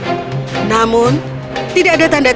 dia menemukan suatu tempat yang menarik